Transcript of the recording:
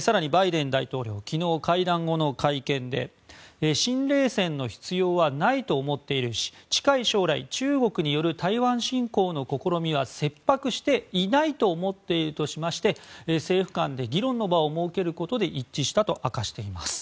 更にバイデン大統領昨日、会談後の会見で新冷戦の必要はないと思っているし近い将来、中国による台湾進攻の試みは切迫していないと思っているとしまして政府間で議論の場を設けることで一致したと明かしています。